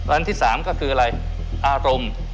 อันที่๓ก็คืออะไรอารมณ์